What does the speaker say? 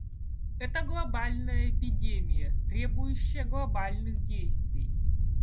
Это глобальная эпидемия, требующая глобальных действий.